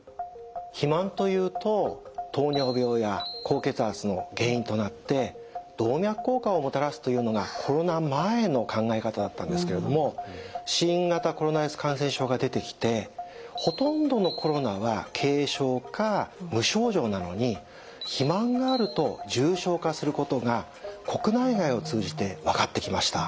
肥満というと糖尿病や高血圧の原因となって動脈硬化をもたらすというのがコロナ前の考え方だったんですけれども新型コロナウイルス感染症が出てきてほとんどのコロナは軽症か無症状なのに肥満があると重症化することが国内外を通じて分かってきました。